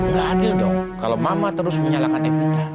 nggak adil dong kalau mama terus menyalahkan evita